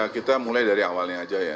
kita mulai dari awalnya aja ya